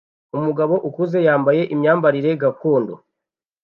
Umugabo ukuze yambaye imyambarire gakondo